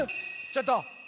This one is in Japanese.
ちょっと！